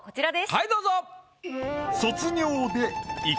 はいどうぞ。